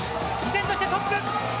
依然としてトップ！